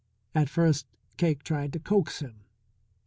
At first Cake tried to coax him.